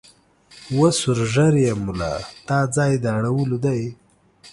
وه سور ږیریه مولا دا ځای د اړولو دی